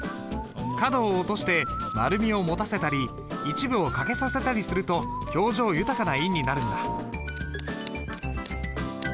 角を落として丸みを持たせたり一部を欠けさせたりすると表情豊かな印になるんだ。